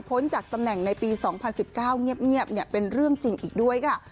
จากตำแหน่งในปี๒๐๑๙เงียบเป็นเรื่องจริงอีกด้วยค่ะ